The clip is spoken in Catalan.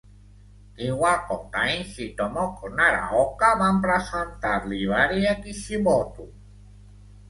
Kiwako Taichi i Tomoko Naraoka van presentar-li Hibari a Kishimoto.